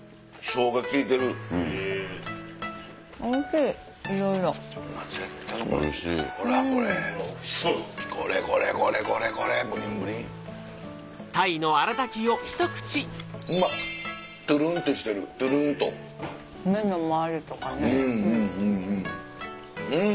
うん！